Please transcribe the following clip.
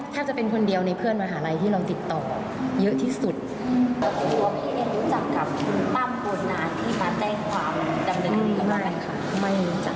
เกิดแล้วคะใครคุยรกคุยห์สิ่งในฟังไหมค่ะ